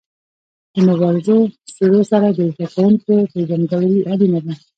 د مبارزو څېرو سره د زده کوونکو پيژندګلوي اړینه ده.